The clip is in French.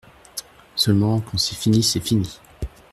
Seulement, quand c'est fini, c'est fini.